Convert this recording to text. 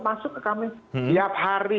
masuk ke kami tiap hari